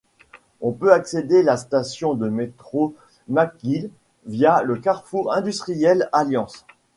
On peut accéder la station de métro McGill via le Carrefour Industrielle Alliance.